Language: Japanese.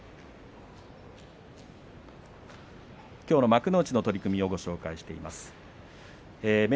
きょうの幕内の取組です。